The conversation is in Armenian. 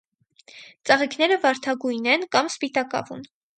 Ծաղիկները վարդագույն են կամ սպիտակավուն։